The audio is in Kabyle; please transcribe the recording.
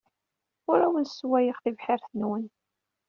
Ur awen-sswayeɣ tibḥirt-nwen.